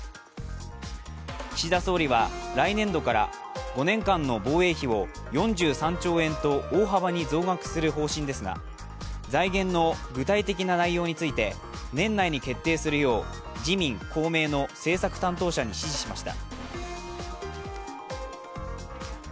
岸田総理は来年度から５年間の防衛費を４３兆円と大幅に増額する方針ですが、財源の具体的な内容について、年内に決定するよう自民・公明の政策担当者に指示しました。